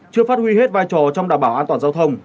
chưa phát huy hết vai trò trong đảm bảo an toàn giao thông